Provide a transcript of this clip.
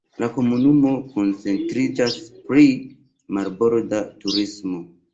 La komunumo koncentriĝas pri marborda turismo.